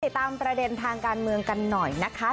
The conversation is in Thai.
ติดตามประเด็นทางการเมืองกันหน่อยนะคะ